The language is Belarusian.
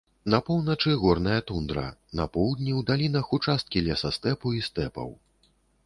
На поўначы горная тундра, на поўдні ў далінах участкі лесастэпу і стэпаў.